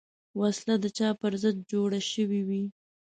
وسله د چا پر ضد جوړه شوې وي